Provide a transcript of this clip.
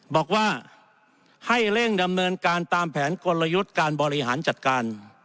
บอกว่าให้เร่งดำเนินการตามแผนกลยุทธ์การบริหารจัดการ